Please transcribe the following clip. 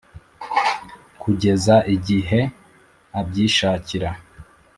Kugeza igihe abyishakira.